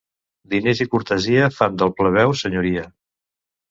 Diners i cortesia fan del plebeu senyoria.